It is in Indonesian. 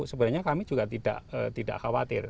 sebenarnya kami juga tidak khawatir